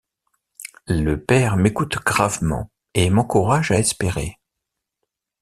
Le père m’écoute gravement et m’encourage à espérer.